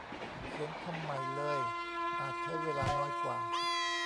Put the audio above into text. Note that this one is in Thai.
เขียนคำใหม่เลยอาจใช้เวลาน้อยกว่า